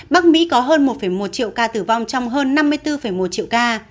bắc mỹ có hơn một một triệu ca tử vong trong hơn năm mươi bốn một triệu ca